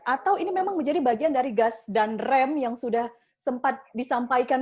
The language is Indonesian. atau ini memang menjadi bagian dari gas dan rem yang sudah sempat disampaikan